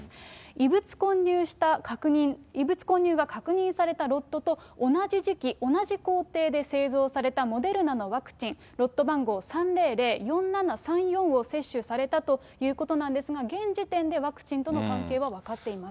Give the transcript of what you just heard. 異物混入した確認、異物混入が確認されたロットと同じ時期、同じ工程で製造されたモデルナのワクチン、ロット番号３００４７３４を接種されたということなんですが、現時点でワクチンとの関係は分かっていません。